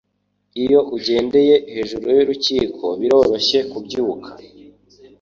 Iyo ugendeye hejuru y'urukundo, biroroshye kubyuka.